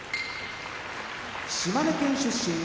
島根県出身